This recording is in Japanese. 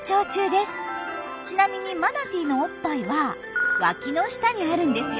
ちなみにマナティーのおっぱいは脇の下にあるんですよ。